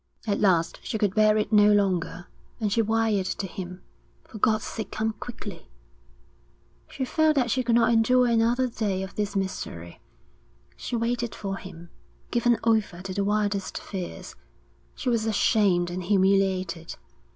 At last she could bear it no longer, and she wired to him: For God's sake come quickly. She felt that she could not endure another day of this misery. She waited for him, given over to the wildest fears; she was ashamed and humiliated.